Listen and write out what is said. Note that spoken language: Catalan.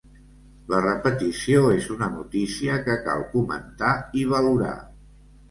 La repetició és una notícia que cal comentar i valorar.